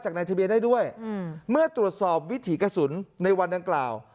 ในทะเบียนได้ด้วยเมื่อตรวจสอบวิถีกระสุนในวันดังกล่าว